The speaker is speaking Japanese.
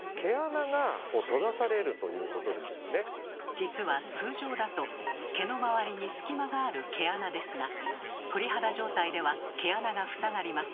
実は通常だと毛の周りに隙間がある毛穴ですが鳥肌状態では毛穴が塞がります。